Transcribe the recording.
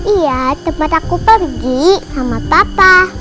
iya tempat aku pergi sama papa